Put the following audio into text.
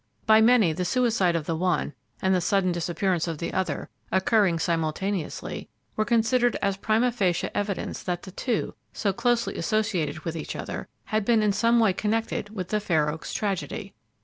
By many the suicide of the one and the sudden disappearance of the other, occurring simultaneously, were considered as prima facie evidence that the two, so closely associated with each other, had been in some way connected with the Fair Oaks tragedy.